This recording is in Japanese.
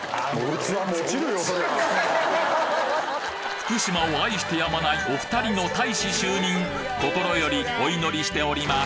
福島を愛してやまないお２人の大使就任心よりお祈りしております